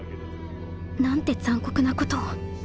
なんて残酷なことを